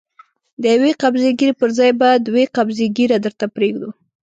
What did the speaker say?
د يوې قبضې ږيرې پر ځای به دوې قبضې ږيره درته پرېږدو.